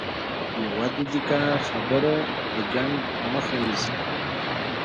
یوه دقیقه خبره د جنګ مخه نیسي